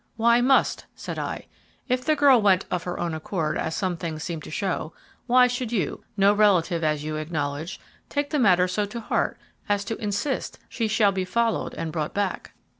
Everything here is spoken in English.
"Why, must?" said I. "If the girl went of her own accord as some things seem to show, why should you, no relative as you acknowledge, take the matter so to heart as to insist she shall be followed and brought back?"